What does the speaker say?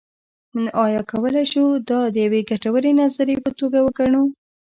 نو ایا کولی شو دا د یوې ګټورې نظریې په توګه وګڼو.